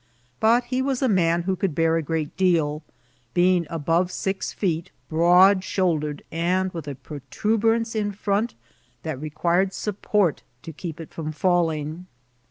But he was a man who could bear a great deal, being above six feet, broad shouldered, and with a protuber* PADRl OF 8AN JACINTO. 175 ance in front that required support to keep it bom fall ing.